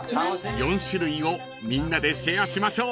［４種類をみんなでシェアしましょう］